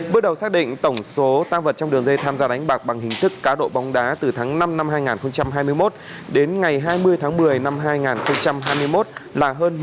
bước đầu xác định tổng số tác vật trong đường dây tham gia đánh bạc bằng hình thức cá độ bóng đá từ tháng năm năm hai nghìn hai mươi một đến ngày hai mươi tháng một mươi năm hai nghìn hai mươi một là hơn một năm trăm linh tỷ đồng